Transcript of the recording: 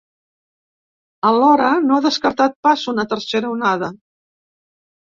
Alhora, no ha descartat pas una tercera onada.